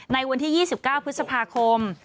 ในวันที่๒๙พฤษภาคม